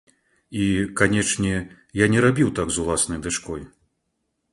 І, канечне, я не рабіў так з уласнай дачкой.